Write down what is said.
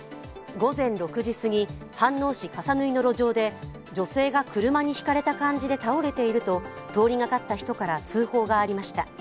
午前６時過ぎ、飯能市笠縫の路上で女性が車にひかれた感じで倒れていると、通りがかった人から通報がありました。